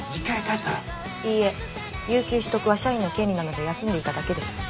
いいえ有給取得は社員の権利なので休んでいただけです。